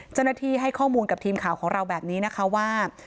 เจ้าหน้าที่ให้ข้อมูลกับทีมข่าวของเราแบบนี้นะคะว่า